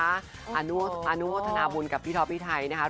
อนุโมทนาบุญกับพี่ท็อปพี่ไทยนะครับ